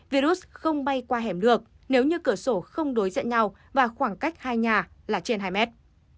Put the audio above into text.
virus không bay qua hẻm được nếu như cửa sổ không đối diện nhau và khoảng cách hai nhà là trên hai mét